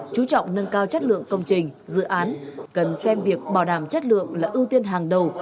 chú trọng nâng cao chất lượng công trình dự án cần xem việc bảo đảm chất lượng là ưu tiên hàng đầu